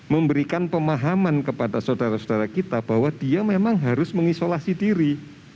memberikan pemahaman kepada saudara saudara kita bahwa dia memang harus mengisolasi diri